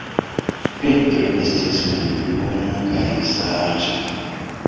Petro estas maljuna kaj saĝa.